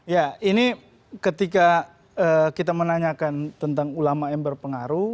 ya ini ketika kita menanyakan tentang ulama yang berpengaruh